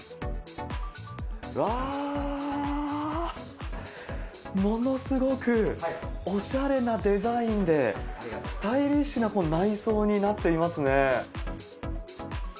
わー、ものすごくおしゃれなデザインで、スタイリッシュな内装になっていますね。